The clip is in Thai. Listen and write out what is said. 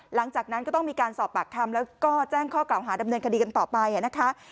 หลังจากนั้นก็ต้องมีการสอบปากคำแล้วก็แจ้งข้อกล่าวหาดำเนินคดีกันต่อไปนะคะ